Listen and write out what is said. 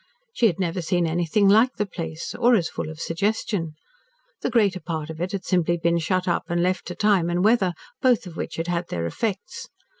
She had never seen anything like the place, or as full of suggestion. The greater part of it had simply been shut up and left to time and weather, both of which had had their effects.